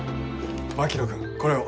槙野君これを。